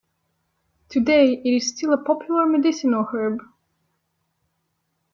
Today it is still a popular medicinal herb.